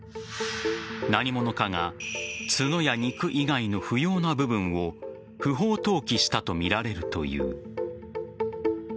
何者かが角や肉以外の不要な部分を不法投棄したとみられるという。